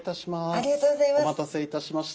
ありがとうございます。